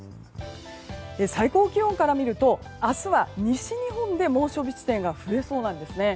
最高気温から見ると明日は西日本で猛暑日地点が増えそうなんですね。